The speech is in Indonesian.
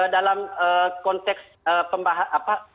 dalam konteks pembahasan apa